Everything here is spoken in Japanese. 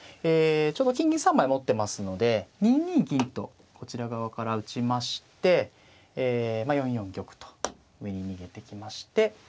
えちょうど金銀３枚持ってますので２二銀とこちら側から打ちましてえまあ４四玉と上に逃げてきまして。